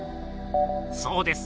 そうです。